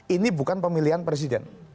ini bukan pemilihan presiden